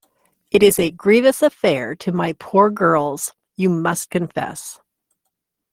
It is a grievous affair to my poor girls, you must confess.